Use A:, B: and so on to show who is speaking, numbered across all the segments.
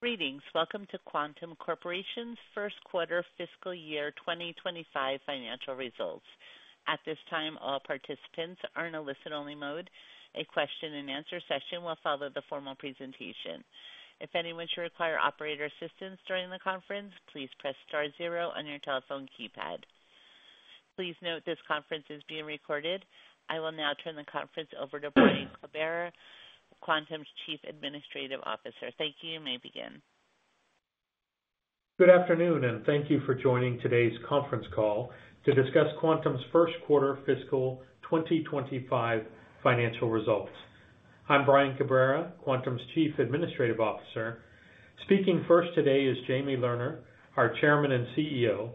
A: Greetings. Welcome to Quantum Corporation's first quarter fiscal year 2025 financial results. At this time, all participants are in a listen-only mode. A question-and-answer session will follow the formal presentation. If anyone should require operator assistance during the conference, please press star zero on your telephone keypad. Please note, this conference is being recorded. I will now turn the conference over to Brian Cabrera, Quantum's Chief Administrative Officer. Thank you. You may begin.
B: Good afternoon, and thank you for joining today's conference call to discuss Quantum's first quarter fiscal 2025 financial results. I'm Brian Cabrera, Quantum's Chief Administrative Officer. Speaking first today is Jamie Lerner, our Chairman and CEO,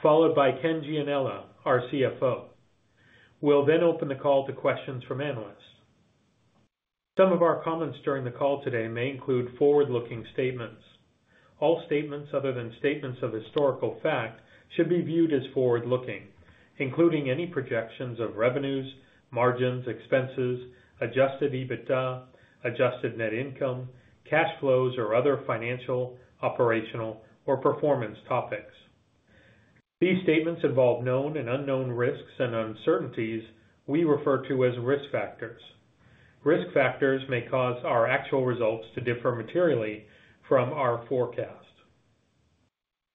B: followed by Ken Gianella, our CFO. We'll then open the call to questions from analysts. Some of our comments during the call today may include forward-looking statements. All statements other than statements of historical fact should be viewed as forward-looking, including any projections of revenues, margins, expenses, Adjusted EBITDA, adjusted net income, cash flows, or other financial, operational, or performance topics. These statements involve known and unknown risks and uncertainties we refer to as risk factors. Risk factors may cause our actual results to differ materially from our forecast.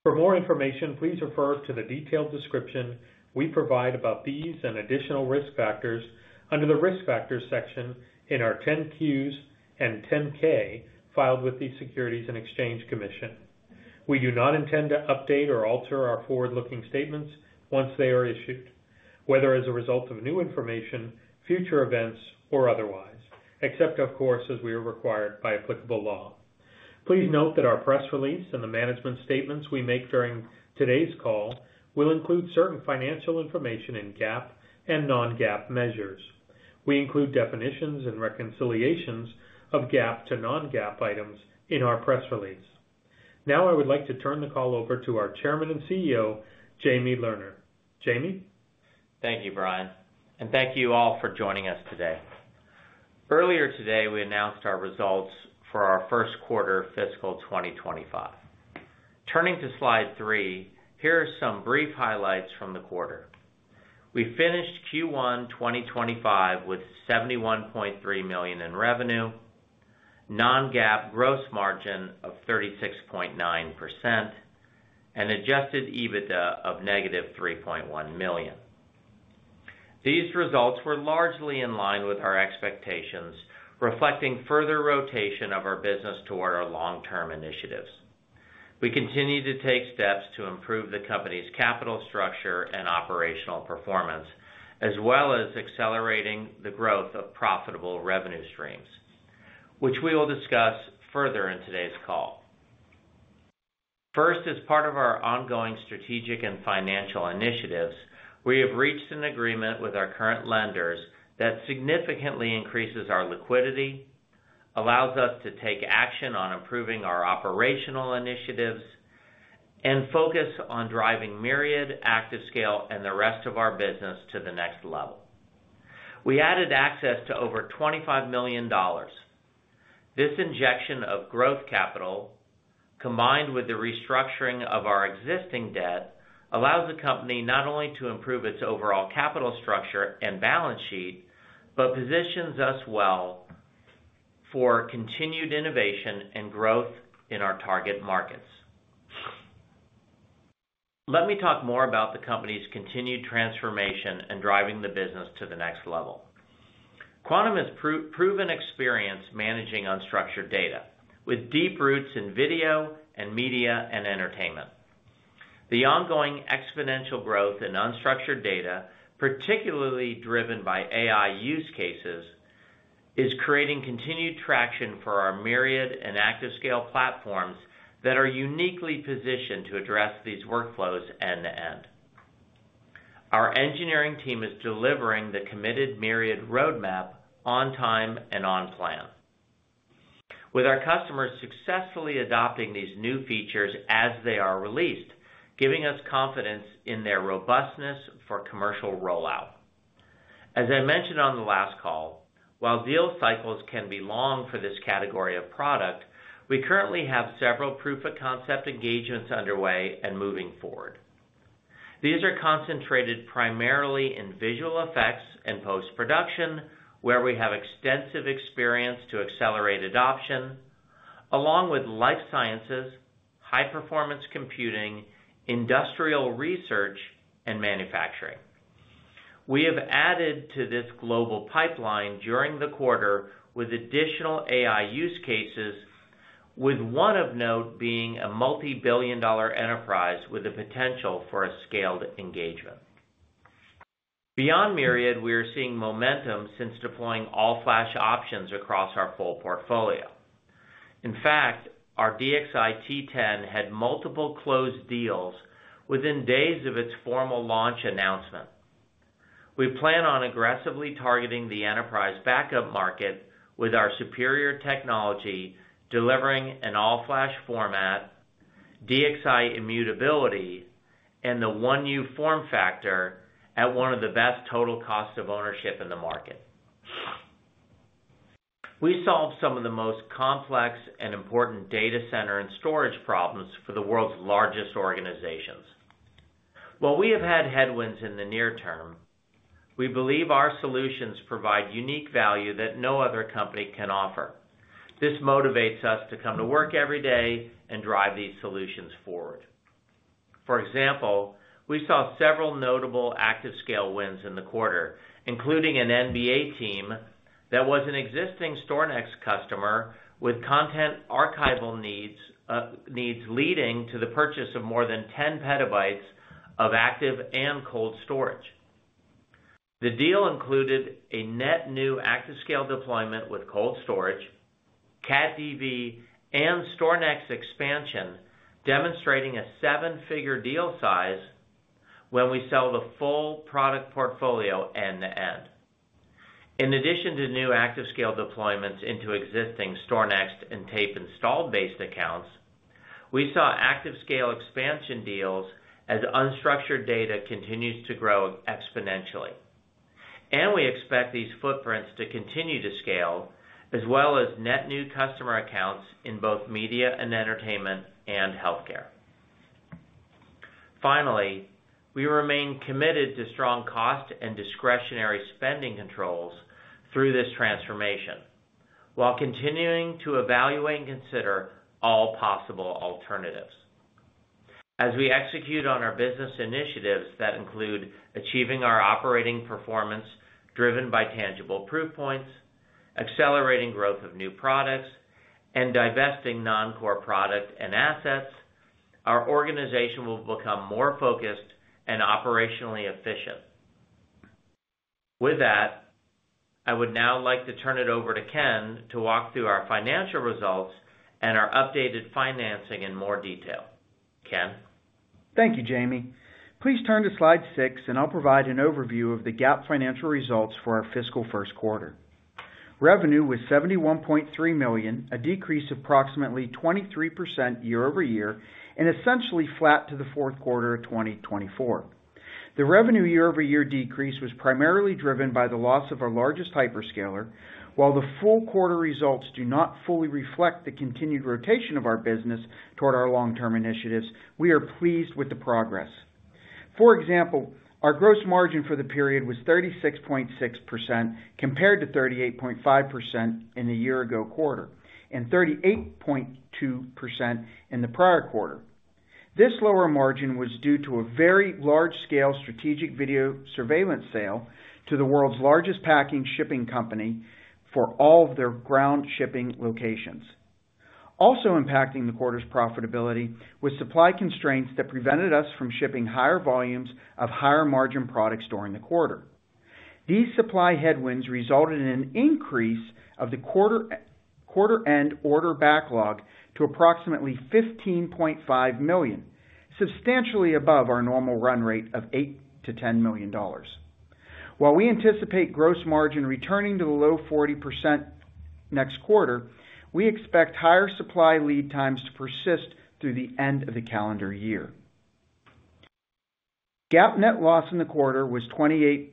B: For more information, please refer to the detailed description we provide about these and additional risk factors under the Risk Factors section in our 10-Qs and 10-K filed with the Securities and Exchange Commission. We do not intend to update or alter our forward-looking statements once they are issued, whether as a result of new information, future events, or otherwise, except, of course, as we are required by applicable law. Please note that our press release and the management statements we make during today's call will include certain financial information in GAAP and non-GAAP measures. We include definitions and reconciliations of GAAP to non-GAAP items in our press release. Now, I would like to turn the call over to our Chairman and CEO, Jamie Lerner. Jamie?
C: Thank you, Brian, and thank you all for joining us today. Earlier today, we announced our results for our first quarter fiscal 2025. Turning to Slide 3, here are some brief highlights from the quarter. We finished Q1 2025 with $71.3 million in revenue, non-GAAP gross margin of 36.9%, and Adjusted EBITDA of negative $3.1 million. These results were largely in line with our expectations, reflecting further rotation of our business toward our long-term initiatives. We continue to take steps to improve the company's capital structure and operational performance, as well as accelerating the growth of profitable revenue streams, which we will discuss further in today's call. First, as part of our ongoing strategic and financial initiatives, we have reached an agreement with our current lenders that significantly increases our liquidity, allows us to take action on improving our operational initiatives, and focus on driving Myriad ActiveScale and the rest of our business to the next level. We added access to over $25 million. This injection of growth capital, combined with the restructuring of our existing debt, allows the company not only to improve its overall capital structure and balance sheet, but positions us well for continued innovation and growth in our target markets. Let me talk more about the company's continued transformation and driving the business to the next level. Quantum has proven experience managing unstructured data with deep roots in video and media and entertainment. The ongoing exponential growth in unstructured data, particularly driven by AI use cases, is creating continued traction for our Myriad and ActiveScale platforms that are uniquely positioned to address these workflows end to end. Our engineering team is delivering the committed Myriad roadmap on time and on plan, with our customers successfully adopting these new features as they are released, giving us confidence in their robustness for commercial rollout. As I mentioned on the last call, while deal cycles can be long for this category of product, we currently have several proof-of-concept engagements underway and moving forward. These are concentrated primarily in visual effects and post-production, where we have extensive experience to accelerate adoption, along with life sciences, high-performance computing, industrial research, and manufacturing. We have added to this global pipeline during the quarter with additional AI use cases, with one of note being a multi-billion dollar enterprise with the potential for a scaled engagement. Beyond Myriad, we are seeing momentum since deploying all-flash options across our full portfolio. In fact, our DXi T10 had multiple closed deals within days of its formal launch announcement. We plan on aggressively targeting the enterprise backup market with our superior technology, delivering an all-flash format, DXi immutability, and the 1U form factor at one of the best total cost of ownership in the market... We solve some of the most complex and important data center and storage problems for the world's largest organizations. While we have had headwinds in the near term, we believe our solutions provide unique value that no other company can offer. This motivates us to come to work every day and drive these solutions forward. For example, we saw several notable ActiveScale wins in the quarter, including an NBA team that was an existing StorNext customer with content archival needs leading to the purchase of more than 10 PB of active and cold storage. The deal included a net new ActiveScale deployment with cold storage, CatDV, and StorNext expansion, demonstrating a seven-figure deal size when we sell the full product portfolio end-to-end. In addition to new ActiveScale deployments into existing StorNext and tape installed base accounts, we saw ActiveScale expansion deals as unstructured data continues to grow exponentially, and we expect these footprints to continue to scale, as well as net new customer accounts in both media and entertainment and healthcare. Finally, we remain committed to strong cost and discretionary spending controls through this transformation, while continuing to evaluate and consider all possible alternatives. As we execute on our business initiatives that include achieving our operating performance driven by tangible proof points, accelerating growth of new products, and divesting non-core product and assets, our organization will become more focused and operationally efficient. With that, I would now like to turn it over to Ken to walk through our financial results and our updated financing in more detail. Ken?
D: Thank you, Jamie. Please turn to slide six, and I'll provide an overview of the GAAP financial results for our fiscal first quarter. Revenue was $71.3 million, a decrease of approximately 23% year-over-year, and essentially flat to the fourth quarter of 2024. The revenue year-over-year decrease was primarily driven by the loss of our largest hyperscaler. While the full quarter results do not fully reflect the continued rotation of our business toward our long-term initiatives, we are pleased with the progress. For example, our gross margin for the period was 36.6%, compared to 38.5% in the year ago quarter, and 38.2% in the prior quarter. This lower margin was due to a very large-scale strategic video surveillance sale to the world's largest packing shipping company for all of their ground shipping locations. Also impacting the quarter's profitability was supply constraints that prevented us from shipping higher volumes of higher-margin products during the quarter. These supply headwinds resulted in an increase of the quarter-end order backlog to approximately $15.5 million, substantially above our normal run rate of $8 million-$10 million. While we anticipate gross margin returning to the low 40% next quarter, we expect higher supply lead times to persist through the end of the calendar year. GAAP net loss in the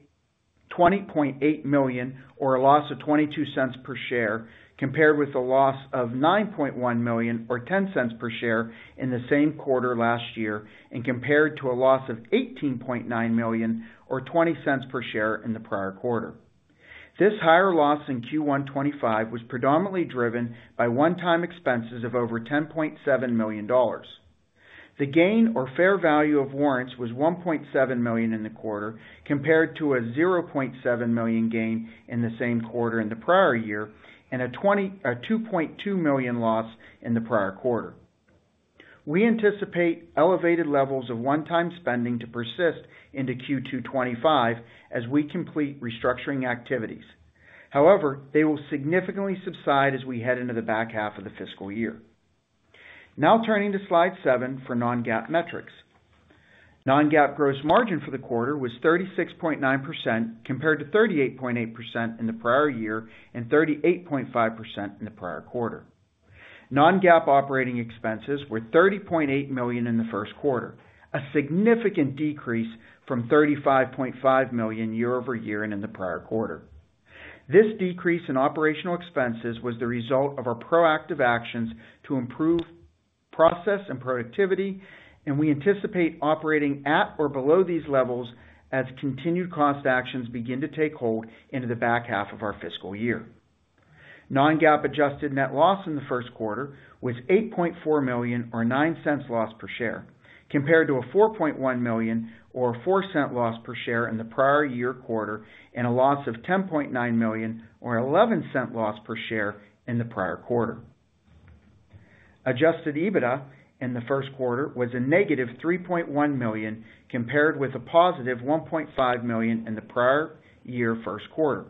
D: quarter was $20.8 million, or a loss of $0.22 per share, compared with a loss of $9.1 million, or $0.10 per share in the same quarter last year, and compared to a loss of $18.9 million or $0.20 per share in the prior quarter. This higher loss in Q1 2025 was predominantly driven by one-time expenses of over $10.7 million. The gain or fair value of warrants was $1.7 million in the quarter, compared to a $0.7 million gain in the same quarter in the prior year, and a $2.2 million loss in the prior quarter. We anticipate elevated levels of one-time spending to persist into Q2 2025 as we complete restructuring activities. However, they will significantly subside as we head into the back half of the fiscal year. Now, turning to Slide seven for non-GAAP metrics. Non-GAAP gross margin for the quarter was 36.9%, compared to 38.8% in the prior year and 38.5% in the prior quarter. Non-GAAP operating expenses were $30.8 million in the first quarter, a significant decrease from $35.5 million year-over-year and in the prior quarter. This decrease in operational expenses was the result of our proactive actions to improve process and productivity, and we anticipate operating at or below these levels as continued cost actions begin to take hold into the back half of our fiscal year. Non-GAAP adjusted net loss in the first quarter was $8.4 million or $0.09 loss per share, compared to a $4.1 million or $0.04 loss per share in the prior year quarter, and a loss of $10.9 million or $0.11 loss per share in the prior quarter. Adjusted EBITDA in the first quarter was negative $3.1 million, compared with positive $1.5 million in the prior year first quarter,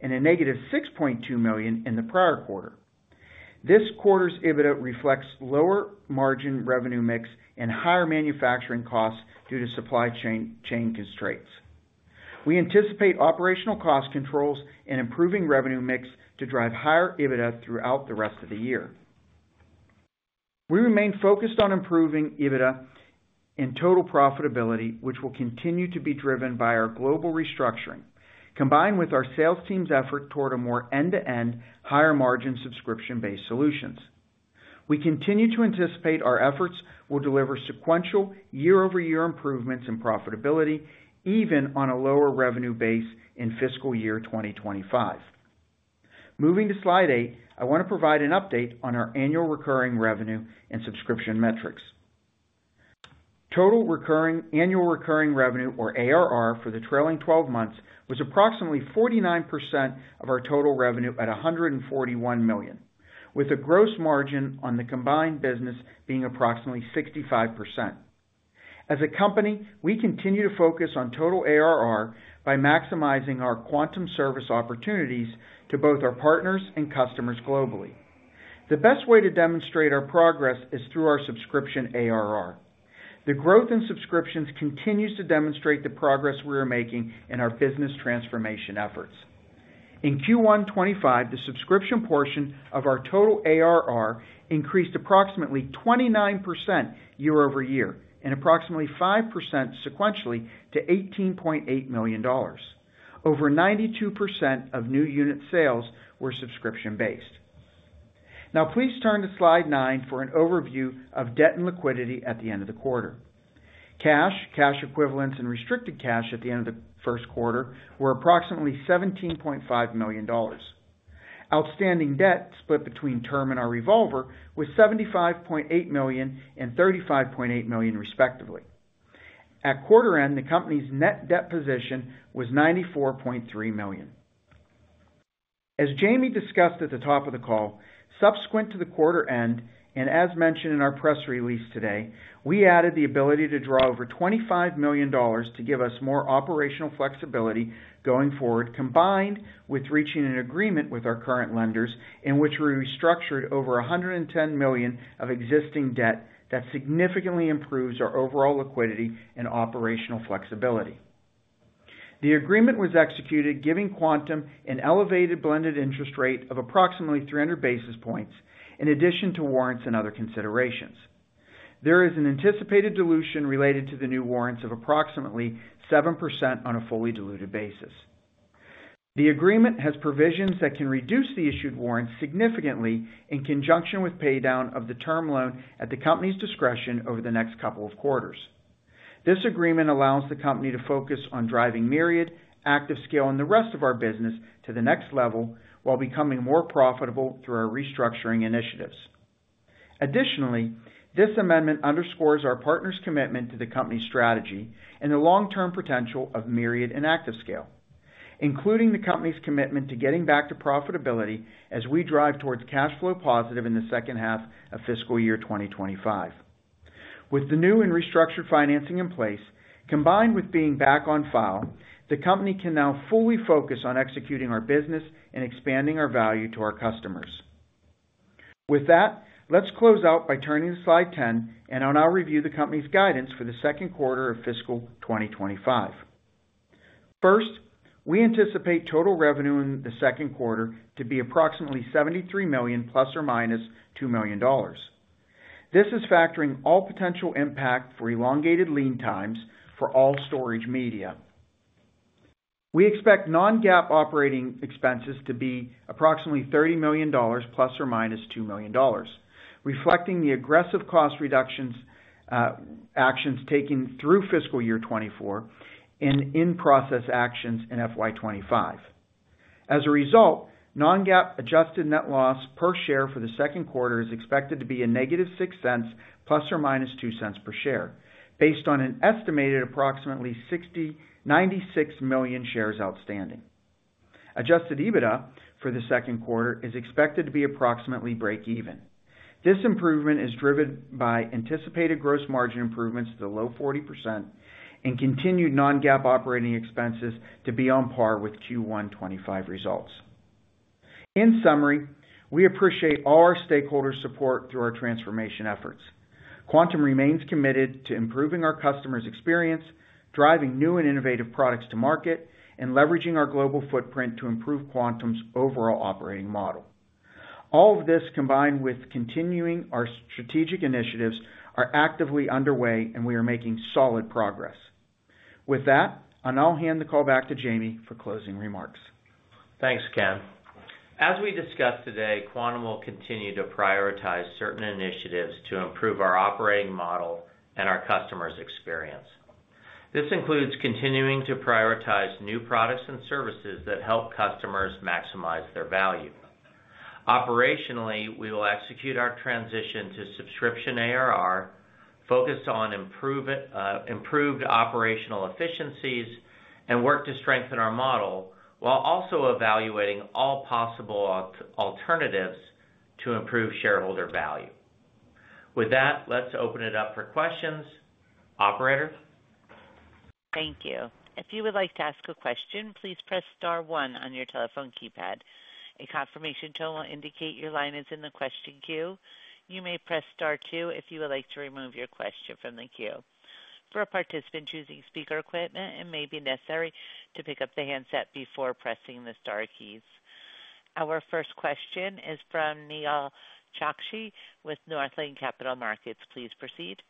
D: and negative $6.2 million in the prior quarter. This quarter's EBITDA reflects lower margin revenue mix and higher manufacturing costs due to supply chain constraints. We anticipate operational cost controls and improving revenue mix to drive higher EBITDA throughout the rest of the year. We remain focused on improving EBITDA and total profitability, which will continue to be driven by our global restructuring, combined with our sales team's effort toward a more end-to-end, higher margin subscription-based solutions. We continue to anticipate our efforts will deliver sequential year-over-year improvements in profitability, even on a lower revenue base in fiscal year 2025. Moving to Slide eight, I want to provide an update on our annual recurring revenue and subscription metrics. Total recurring, annual recurring revenue, or ARR, for the trailing twelve months was approximately 49% of our total revenue at $141 million, with a gross margin on the combined business being approximately 65%. As a company, we continue to focus on total ARR by maximizing our Quantum service opportunities to both our partners and customers globally. The best way to demonstrate our progress is through our subscription ARR. The growth in subscriptions continues to demonstrate the progress we are making in our business transformation efforts. In Q1 2025, the subscription portion of our total ARR increased approximately 29% year-over-year and approximately 5% sequentially to $18.8 million. Over 92% of new unit sales were subscription-based. Now please turn to Slide nine for an overview of debt and liquidity at the end of the quarter. Cash, cash equivalents and restricted cash at the end of the first quarter were approximately $17.5 million. Outstanding debt, split between term and our revolver, was $75.8 million and $35.8 million, respectively. At quarter end, the company's net debt position was $94.3 million. As Jamie discussed at the top of the call, subsequent to the quarter end, and as mentioned in our press release today, we added the ability to draw over $25 million to give us more operational flexibility going forward, combined with reaching an agreement with our current lenders, in which we restructured over $110 million of existing debt that significantly improves our overall liquidity and operational flexibility. The agreement was executed, giving Quantum an elevated blended interest rate of approximately 300 basis points, in addition to warrants and other considerations. There is an anticipated dilution related to the new warrants of approximately 7% on a fully diluted basis. The agreement has provisions that can reduce the issued warrants significantly in conjunction with paydown of the term loan at the company's discretion over the next couple of quarters. This agreement allows the company to focus on driving Myriad, ActiveScale, and the rest of our business to the next level, while becoming more profitable through our restructuring initiatives. Additionally, this amendment underscores our partner's commitment to the company's strategy and the long-term potential of Myriad and ActiveScale, including the company's commitment to getting back to profitability as we drive towards cash flow positive in the second half of fiscal year 2025. With the new and restructured financing in place, combined with being back on file, the company can now fully focus on executing our business and expanding our value to our customers. With that, let's close out by turning to Slide 10, and I'll now review the company's guidance for the second quarter of fiscal 2025. First, we anticipate total revenue in the second quarter to be approximately $73 million ±$2 million. This is factoring all potential impact for elongated lead times for all storage media. We expect non-GAAP operating expenses to be approximately $30 million ±$2 million, reflecting the aggressive cost reductions actions taken through fiscal year 2024 and in-process actions in FY2025. As a result, non-GAAP adjusted net loss per share for the second quarter is expected to be -$0.06 ± $0.02 per share, based on an estimated approximately 69.96 million shares outstanding. Adjusted EBITDA for the second quarter is expected to be approximately break even. This improvement is driven by anticipated gross margin improvements to the low 40% and continued non-GAAP operating expenses to be on par with Q1 2025 results. In summary, we appreciate all our stakeholders' support through our transformation efforts. Quantum remains committed to improving our customers' experience, driving new and innovative products to market, and leveraging our global footprint to improve Quantum's overall operating model. All of this, combined with continuing our strategic initiatives, are actively underway, and we are making solid progress. With that, I'll now hand the call back to Jamie for closing remarks.
C: Thanks, Ken. As we discussed today, Quantum will continue to prioritize certain initiatives to improve our operating model and our customers' experience. This includes continuing to prioritize new products and services that help customers maximize their value. Operationally, we will execute our transition to subscription ARR, focus on improve it, improved operational efficiencies, and work to strengthen our model, while also evaluating all possible alternatives to improve shareholder value. With that, let's open it up for questions. Operator?
A: Thank you. If you would like to ask a question, please press star one on your telephone keypad. A confirmation tone will indicate your line is in the question queue. You may press star two if you would like to remove your question from the queue. For a participant choosing speaker equipment, it may be necessary to pick up the handset before pressing the star keys. Our first question is from Nehal Chokshi with Northland Capital Markets. Please proceed.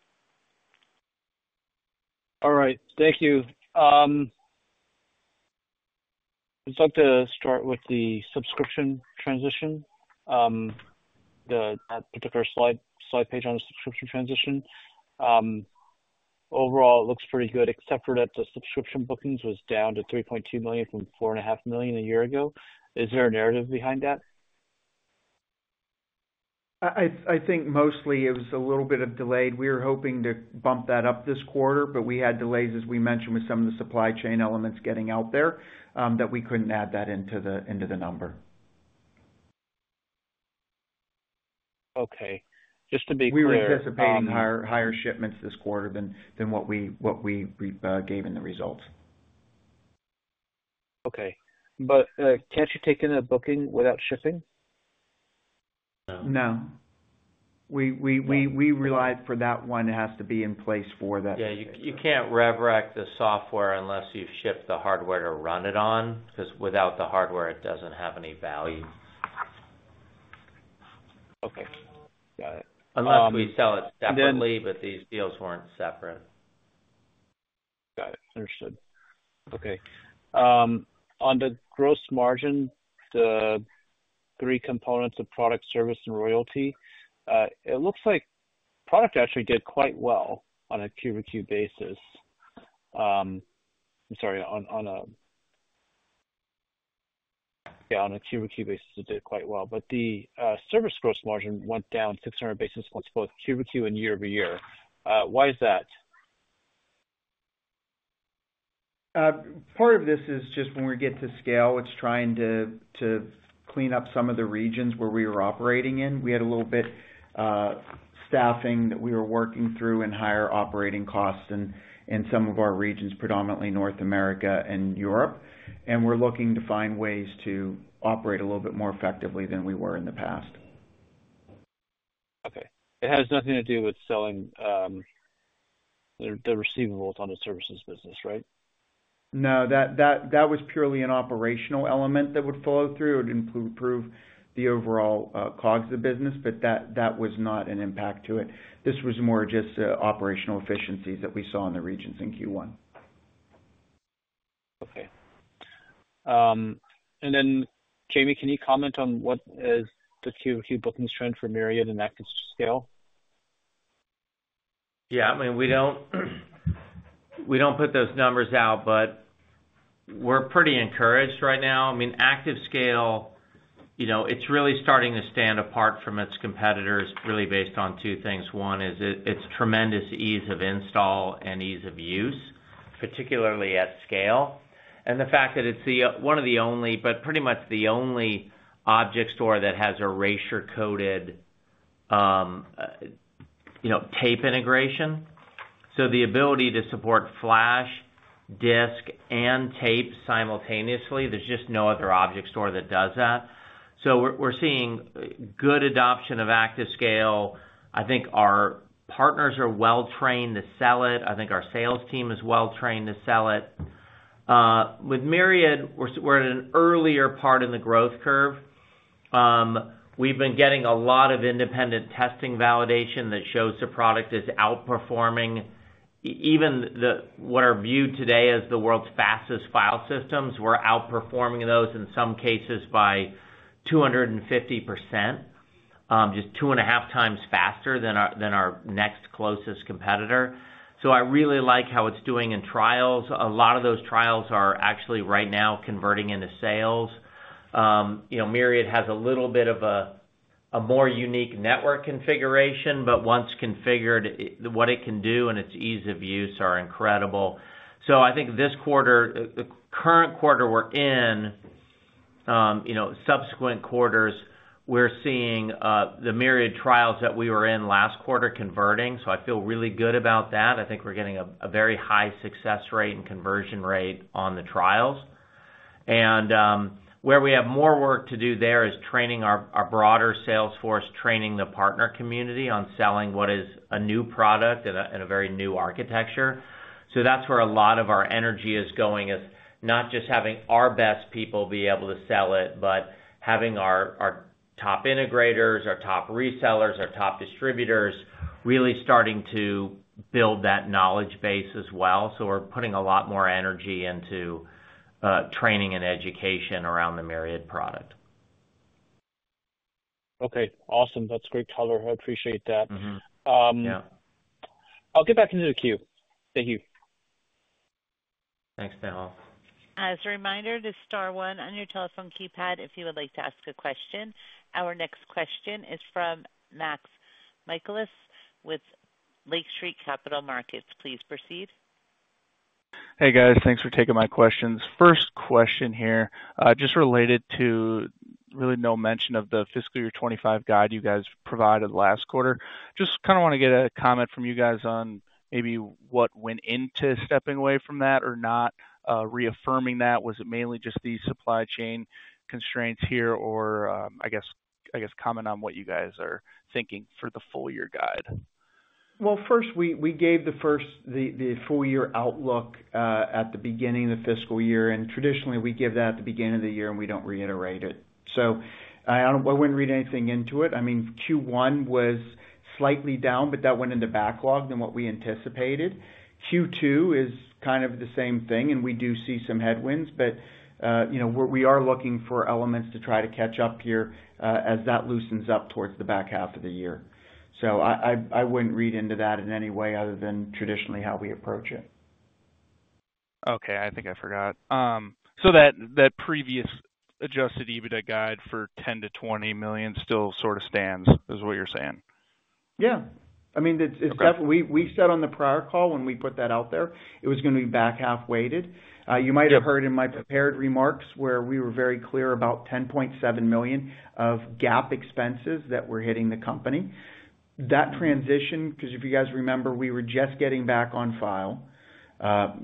E: All right, thank you. I'd like to start with the subscription transition, that particular slide page on the subscription transition. Overall, it looks pretty good, except for that the subscription bookings was down to $3.2 million from $4.5 million a year ago. Is there a narrative behind that?
D: I think mostly it was a little bit delayed. We were hoping to bump that up this quarter, but we had delays, as we mentioned, with some of the supply chain elements getting out there, that we couldn't add that into the number.
E: Okay, just to be clear-
D: We were anticipating higher shipments this quarter than what we gave in the results.
E: Okay. But, can't you take in a booking without shipping?
D: No.
C: No.
D: We relied for that one. It has to be in place for that.
C: Yeah, you can't rev rec the software unless you've shipped the hardware to run it on, 'cause without the hardware, it doesn't have any value.
E: Okay, got it.
C: Unless we sell it separately, but these deals weren't separate.
E: Got it. Understood. Okay. On the gross margin, the three components of product, service, and royalty, it looks like product actually did quite well on a Q-over-Q basis. Yeah, on a Q-over-Q basis, it did quite well. But the service gross margin went down 600 basis points, both Q-over-Q and year-over-year. Why is that?
D: Part of this is just when we get to scale, it's trying to clean up some of the regions where we were operating in. We had a little bit staffing that we were working through and higher operating costs in some of our regions, predominantly North America and Europe. We're looking to find ways to operate a little bit more effectively than we were in the past.
E: Okay. It has nothing to do with selling the receivables on the services business, right?
D: No, that was purely an operational element that would follow through. It would improve the overall COGS of the business, but that was not an impact to it. This was more just operational efficiencies that we saw in the regions in Q1.
E: Okay. And then, Jamie, can you comment on what is the Q-over-Q bookings trend for Myriad and ActiveScale?
C: Yeah, I mean, we don't, we don't put those numbers out, but we're pretty encouraged right now. I mean, ActiveScale, you know, it's really starting to stand apart from its competitors, really based on two things. One is it's tremendous ease of install and ease of use, particularly at scale, and the fact that it's the one of the only, but pretty much the only object store that has erasure-coded, you know, tape integration. So the ability to support flash, disk, and tape simultaneously, there's just no other object store that does that. So we're seeing good adoption of ActiveScale. I think our partners are well trained to sell it. I think our sales team is well trained to sell it. With Myriad, we're at an earlier part in the growth curve. We've been getting a lot of independent testing validation that shows the product is outperforming even the, what are viewed today as the world's fastest file systems. We're outperforming those, in some cases, by 250%, just 2.5x faster than our next closest competitor. So I really like how it's doing in trials. A lot of those trials are actually right now converting into sales. You know, Myriad has a little bit of a more unique network configuration, but once configured, what it can do and its ease of use are incredible. So I think this quarter, the current quarter we're in, you know, subsequent quarters, we're seeing the Myriad trials that we were in last quarter converting, so I feel really good about that. I think we're getting a very high success rate and conversion rate on the trials. Where we have more work to do there is training our broader sales force, training the partner community on selling what is a new product and a very new architecture. So that's where a lot of our energy is going, is not just having our best people be able to sell it, but having our top integrators, our top resellers, our top distributors, really starting to build that knowledge base as well. So we're putting a lot more energy into training and education around the Myriad product.
E: Okay, awesome. That's great color. I appreciate that. I'll get back into the queue. Thank you.
C: Thanks, Nehal.
A: As a reminder, just star one on your telephone keypad if you would like to ask a question. Our next question is from Max Michaelis with Lake Street Capital Markets. Please proceed.
F: Hey, guys. Thanks for taking my questions. First question here, just related to really no mention of the fiscal year 2025 guide you guys provided last quarter. Just kind of want to get a comment from you guys on maybe what went into stepping away from that or not reaffirming that. Was it mainly just the supply chain constraints here or, I guess, comment on what you guys are thinking for the full year guide?
D: Well, first, we gave the full year outlook at the beginning of the fiscal year, and traditionally, we give that at the beginning of the year, and we don't reiterate it. So I wouldn't read anything into it. I mean, Q1 was slightly down, but that went into backlog more than what we anticipated. Q2 is kind of the same thing, and we do see some headwinds, but you know, we are looking for elements to try to catch up here as that loosens up towards the back half of the year. So I wouldn't read into that in any way other than traditionally how we approach it.
F: Okay, I think I forgot. So that previous adjusted EBITDA guide for $10 million-$20 million still sort of stands, is what you're saying?
D: Yeah. I mean, it's—
F: Okay.
D: We said on the prior call, when we put that out there, it was gonna be back half weighted. You might have heard in my prepared remarks where we were very clear about $10.7 million of GAAP expenses that were hitting the company. That transitioned, 'cause if you guys remember, we were just getting back on file.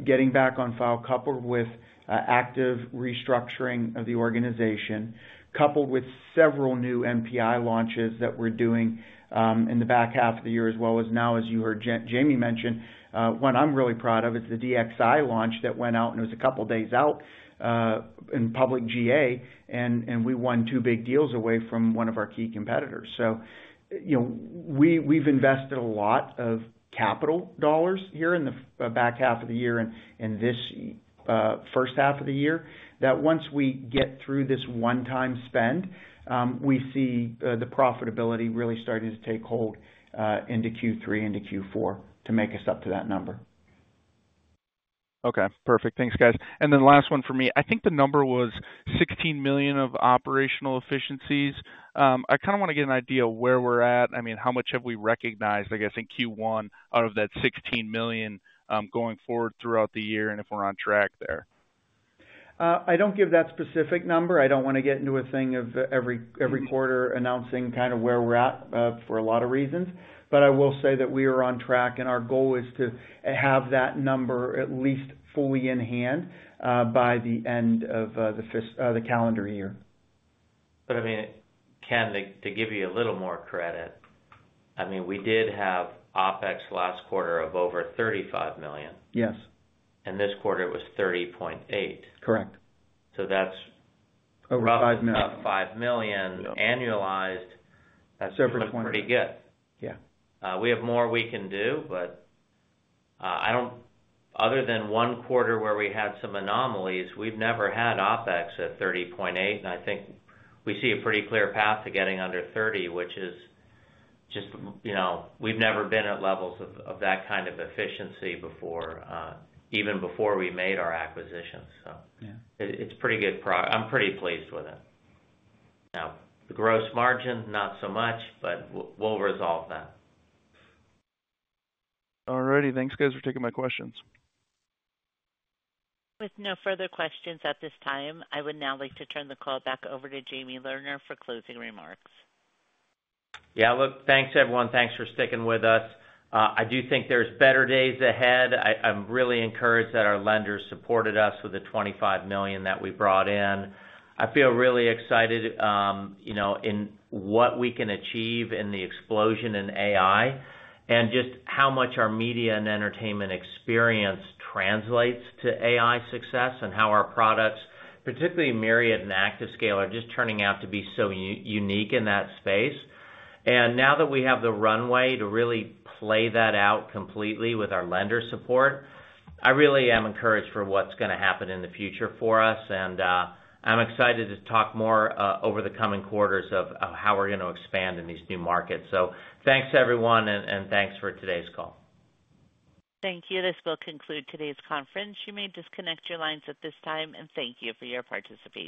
D: Getting back on file, coupled with active restructuring of the organization, coupled with several new NPI launches that we're doing in the back half of the year, as well as now, as you heard Jamie mention. What I'm really proud of is the DXi launch that went out, and it was a couple days out in public GA, and we won two big deals away from one of our key competitors. So, you know, we've invested a lot of capital dollars here in the back half of the year and in this first half of the year. That once we get through this one-time spend, we see the profitability really starting to take hold into Q3, into Q4, to make us up to that number.
F: Okay, perfect. Thanks, guys. And then last one for me. I think the number was $16 million of operational efficiencies. I kinda wanna get an idea of where we're at. I mean, how much have we recognized, I guess, in Q1, out of that $16 million, going forward throughout the year, and if we're on track there?
D: I don't give that specific number. I don't wanna get into a thing of every quarter announcing kind of where we're at, for a lot of reasons. But I will say that we are on track, and our goal is to have that number at least fully in hand, by the end of the calendar year.
C: But I mean, Ken, to give you a little more credit, I mean, we did have OpEx last quarter of over $35 million.
D: Yes.
C: This quarter it was 30.8.
D: Correct.
C: So that's-
D: Over $5 million
C: about $5 million annualized.
D: Yep.
C: That's pretty good.
D: Yeah.
C: We have more we can do, but I don't... Other than one quarter where we had some anomalies, we've never had OpEx at 30.8, and I think we see a pretty clear path to getting under 30, which is just, you know, we've never been at levels of, of that kind of efficiency before, even before we made our acquisitions, so-
D: Yeah.
C: It's pretty good. I'm pretty pleased with it. Now, the gross margin, not so much, but we'll resolve that.
F: All righty. Thanks, guys, for taking my questions.
A: With no further questions at this time, I would now like to turn the call back over to Jamie Lerner for closing remarks.
C: Yeah, look, thanks, everyone. Thanks for sticking with us. I do think there's better days ahead. I'm really encouraged that our lenders supported us with the $25 million that we brought in. I feel really excited, you know, in what we can achieve in the explosion in AI, and just how much our media and entertainment experience translates to AI success, and how our products, particularly Myriad and ActiveScale, are just turning out to be so unique in that space. And now that we have the runway to really play that out completely with our lender support, I really am encouraged for what's gonna happen in the future for us. And, I'm excited to talk more, over the coming quarters of, of how we're gonna expand in these new markets. So thanks, everyone, and, and thanks for today's call.
A: Thank you. This will conclude today's conference. You may disconnect your lines at this time, and thank you for your participation.